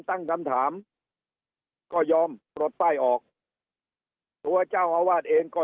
ตั้งคำถามก็ยอมปลดป้ายออกตัวเจ้าอาวาสเองก็